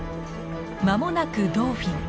間もなくドーフィン。